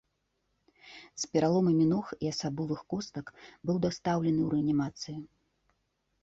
З пераломамі ног і асабовых костак быў дастаўлены ў рэанімацыю.